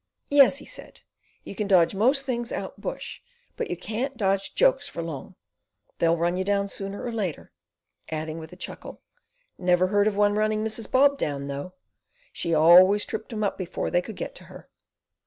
"Yes," he said, "you can dodge most things out bush; but you can't dodge jokes for long. They'll run you down sooner or later"; adding with a chuckle, "Never heard of one running Mrs. Bob down, though. She always tripped 'em up before they could get to her."